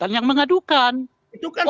itu kan sudah clear tadi